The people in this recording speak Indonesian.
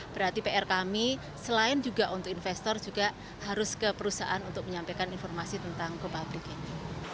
berarti pr kami selain juga untuk investor juga harus ke perusahaan untuk menyampaikan informasi tentang go public ini